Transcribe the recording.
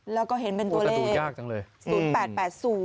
แล้วก็เห็นเป็นตัวเลข๐๘๘๐